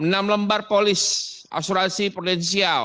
enam lembar polis asuransi prudensial